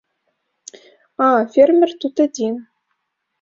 А, фермер тут адзін.